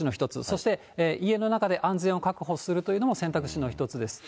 そして家の中で安全を確保するというのも選択肢の一つです。